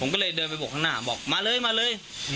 ผมก็เลยเดินไปบวกข้างหน้าบอกมาเลยมาเลย